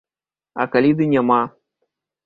А калі ды няма?